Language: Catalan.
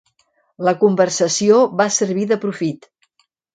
La conversació va servir de profit.